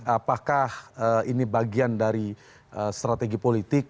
apakah ini bagian dari strategi politik